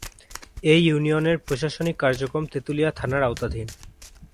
এ ইউনিয়নের প্রশাসনিক কার্যক্রম তেতুলিয়া থানার আওতাধীন।